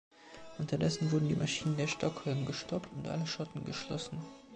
Unterdessen wurden die Maschinen der "Stockholm" gestoppt und alle Schotten geschlossen.